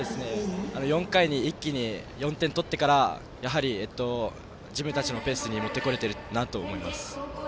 ４回に一気に４点取ってから自分たちのペースに持ってこれているなと思います。